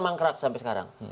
mangkrak sampai sekarang